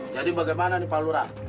jadi bagaimana nih pak lura